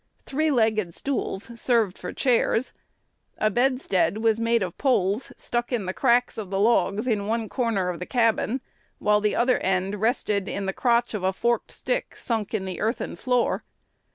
Three legged stools served for chairs. A bedstead was made of poles stuck in the cracks of the logs in one corner of the cabin, while the other end rested in the crotch of a forked stick sunk in the earthen floor.